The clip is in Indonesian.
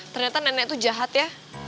ternyata nenek itu jahat ya